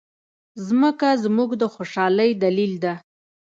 مځکه زموږ د خوشالۍ دلیل ده.